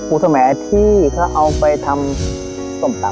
ปูเสมอที่เขาเอาไปทำสมตำอ้าว